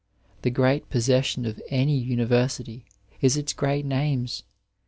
The great possession of any University is its great names.